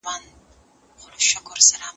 که څېړونکی هندو وي یا مسلمان باید بې طرفه وي.